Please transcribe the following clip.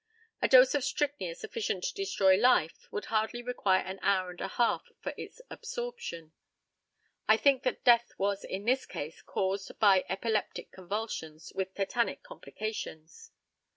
A dose of strychnia sufficient to destroy life would hardly require an hour and a half for its absorption. I think that death was in this case caused by epileptic convulsions with tetanic complications.